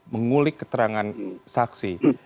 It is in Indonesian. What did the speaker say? mengulik keterangan saksi